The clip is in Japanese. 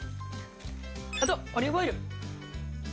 あとオリーブオイル。